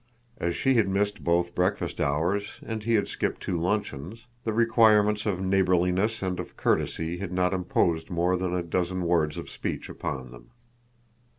As she had missed both breakfast hours, and he had skipped two luncheons, the requirements of neighborliness and of courtesy had not imposed more than a dozen words of speech upon them.